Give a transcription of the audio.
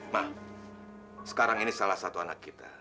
mah sekarang ini salah satu anak kita